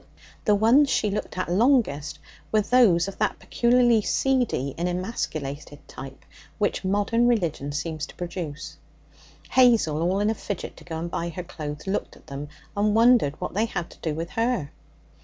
The ones she looked at longest were those of that peculiarly seedy and emasculated type which modern religion seems to produce. Hazel, all in a fidget to go and buy her clothes, looked at them, and wondered what they had to do with her.